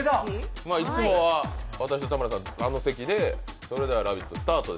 いつもは私と田村さん、あの席で、それでは「ラヴィット！」